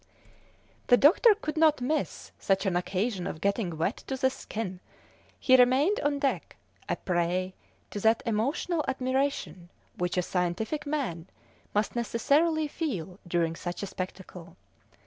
The doctor could not miss such an occasion of getting wet to the skin; he remained on deck, a prey to that emotional admiration which a scientific man must necessarily feel during such a spectacle.